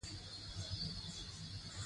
غزني د افغانستان د طبیعي پدیدو یو رنګ دی.